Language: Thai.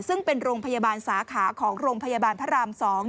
ซึ่งเป็นโรงพยาบาลสาขาของโรงพยาบาลพระราม๒